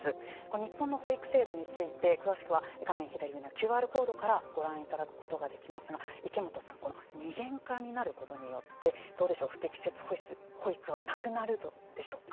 日本の保育制度について詳しくは画面左上のＱＲコードからご覧いただくことができますが池本さん、この二元化になることによってどうでしょう、不適切保育はなくなるでしょうか。